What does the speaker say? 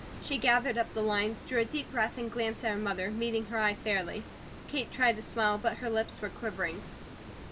She gathered up the lines, drew a deep breath, and glanced at her mother, meeting her eye fairly. Kate tried to smile, but her lips were quivering.